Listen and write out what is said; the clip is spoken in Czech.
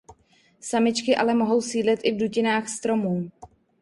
Samičky ale mohou sídlit i v dutinách stromů.